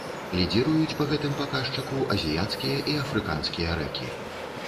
Лідзіруюць па гэтым паказчыку азіяцкія і афрыканскія рэкі.